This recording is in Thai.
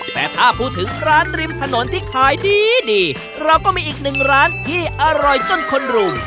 แต่ถ้าพูดถึงร้านริมถนนที่ขายดีดีเราก็มีอีกหนึ่งร้านที่อร่อยจนคนรุง